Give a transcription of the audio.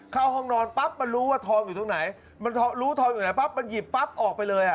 เข้าห้องนอนปั๊บมันรู้ว่าทองอยู่ตรงไหนมันรู้ทองอยู่ไหนปั๊บมันหยิบปั๊บออกไปเลยอ่ะ